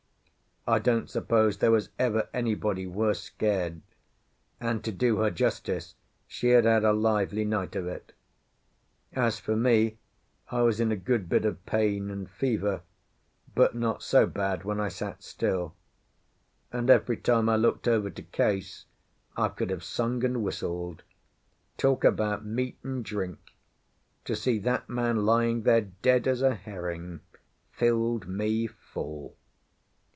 I don't suppose there was ever anybody worse scared, and, to do her justice, she had had a lively night of it. As for me, I was in a good bit of pain and fever, but not so bad when I sat still; and every time I looked over to Case I could have sung and whistled. Talk about meat and drink! To see that man lying there dead as a herring filled me full.